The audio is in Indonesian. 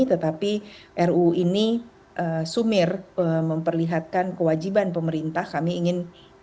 tetapi ruu ini sumir memperlihatkan kewajiban pemerintah kami ingin